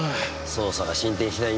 捜査が進展しない